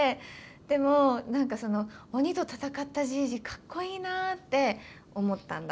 でも何かその鬼と戦ったじいじかっこいいなって思ったんだ。